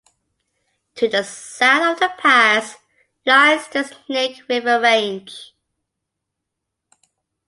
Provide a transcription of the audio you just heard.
To the south of the pass, lies the Snake River Range.